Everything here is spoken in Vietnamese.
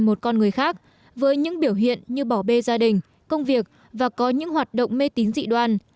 một con người khác với những biểu hiện như bảo bê gia đình công việc và có những hoạt động mê tín dị đoan